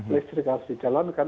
listrik harus dijalankan